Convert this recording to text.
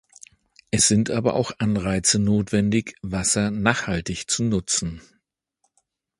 Es sind aber auch Anreize notwendig, Wasser nachhaltig zu nutzen.